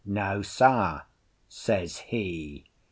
"No, Sah," says he.